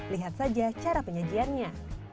lihat saja cara penyajiannya